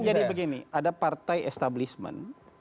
jadi begini ada partai establishment